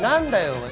おい。